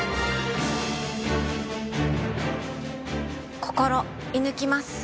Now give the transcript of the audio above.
心射抜きます。